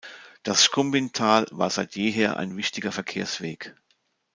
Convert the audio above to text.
Das Shkumbin-Tal war seit jeher ein wichtiger Verkehrsweg.